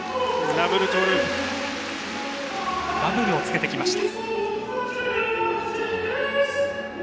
ダブルをつけてきました。